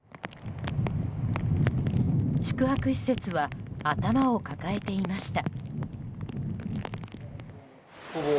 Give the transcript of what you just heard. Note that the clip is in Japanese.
宿泊施設は頭を抱えていました。